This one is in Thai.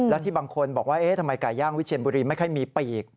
และที่บางคนบอกว่าทำไมไก่ย่างวิเชียนบุรีไม่ค่อยมีปีก